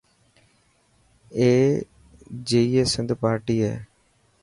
اي جئي سنڌ پارٽي هي.